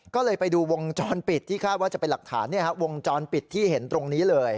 ก็เลยไปดูวงจรปิดที่คาดว่าจะเป็นหลักฐานวงจรปิดที่เห็นตรงนี้เลย